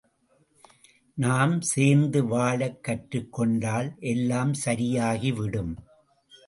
நாம் சேர்ந்து வாழக் கற்றுக்கொண்டால் எல்லாம் சரியாகி விடும்.